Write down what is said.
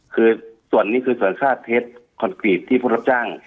คือส่วนนี้คือส่วนค่าเท็จคอนกรีตที่ผู้รับจ้าง